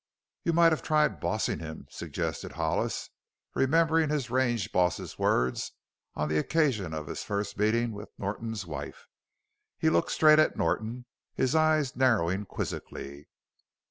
"You might have tried 'bossing' him," suggested Hollis, remembering his range boss's words on the occasion of his first meeting with Norton's wife. He looked straight at Norton, his eyes narrowing quizzically.